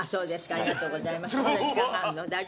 ありがとうございます。